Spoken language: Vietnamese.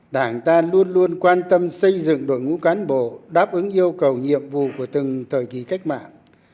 đảng ta luôn luôn quan tâm xây dựng đội ngũ cán bộ đáp ứng yêu cầu nhiệm vụ của từng thời kỳ cách mạng